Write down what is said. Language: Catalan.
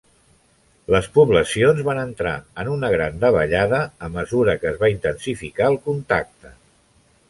Les poblacions van entrar en una gran davallada a mesura que es va intensificar el contacte.